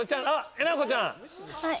えなこちゃん。